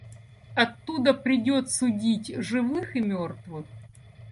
оттуда придёт судить живых и мертвых.